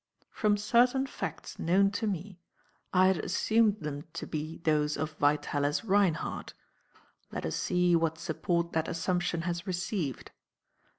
From certain facts known to me, I had assumed them to be those of Vitalis Reinhardt. Let us see what support that assumption has received.